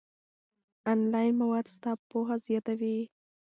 آنلاین مواد ستا پوهه زیاتوي.